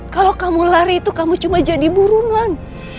kalau kamu lari itu kamu cuma jadi burungan